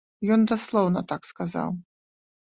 Ён даслоўна так сказаў.